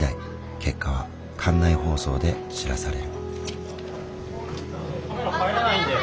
結果は館内放送で知らされる。